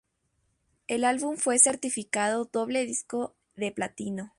El álbum fue certificado doble disco de platino.